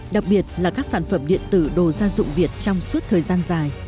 đặc biệt là các sản phẩm điện tử đồ gia dụng việt trong suốt thời gian dài